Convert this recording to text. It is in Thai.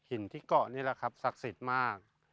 หินที่เกาะนี่แหละครับศักดิ์สิทธิ์มาก